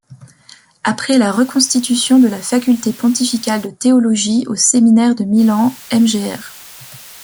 Après la reconstitution de la Faculté Pontificale de Théologie au Séminaire de Milan, Mgr.